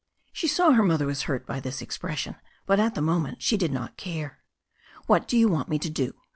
She saw her mother was hurt by this expression, but at that moment she did not care. "What do you want me to do?"